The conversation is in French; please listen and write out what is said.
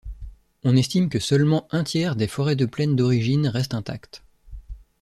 On estime que seulement un tiers des forêts de plaine d'origine restent intactes.